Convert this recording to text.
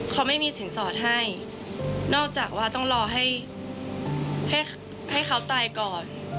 เขาไม่มีสินสอดให้นอกจากว่าต้องรอให้เขาตายก่อน